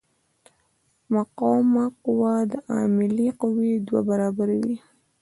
مقاومه قوه د عاملې قوې دوه برابره وي.